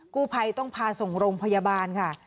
กู้ภัยต้องพาส่งโรงพยาบาลค่ะ